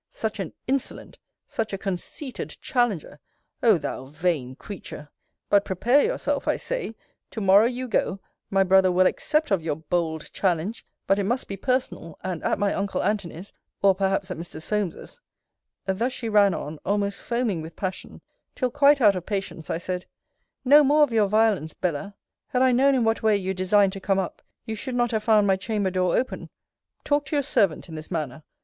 such an insolent, such a conceited challenger! O thou vain creature! But prepare yourself, I say to morrow you go my brother will accept of your bold challenge; but it must be personal; and at my uncle Antony's or perhaps at Mr. Solmes's Thus she ran on, almost foaming with passion; till, quite out of patience, I said, No more of your violence, Bella Had I known in what way you designed to come up, you should not have found my chamber door open talk to your servant in this manner.